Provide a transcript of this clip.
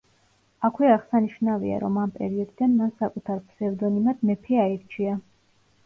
აქვე აღსანიშნავია, რომ ამ პერიოდიდან მან საკუთარ ფსევდონიმად „მეფე“ აირჩია.